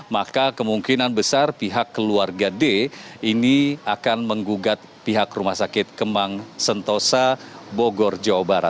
maka kemungkinan besar pihak keluarga d ini akan menggugat pihak rumah sakit kemang sentosa bogor jawa barat